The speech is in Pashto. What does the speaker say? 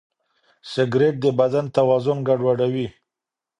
سګریټ د بدن توازن ګډوډوي.